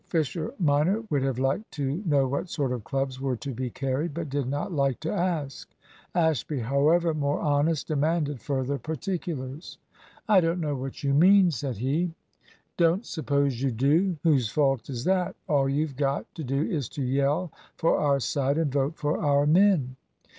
Fisher minor would have liked to know what sort of clubs were to be carried, but did not like to ask. Ashby, however, more honest, demanded further particulars. "I don't know what you mean," said he. "Don't suppose you do. Whose fault is that? All you've got to do is to yell for our side and vote for our men."